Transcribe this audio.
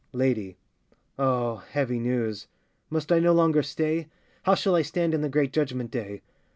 LADY. Oh! heavy news! must I no longer stay? How shall I stand in the great judgment day?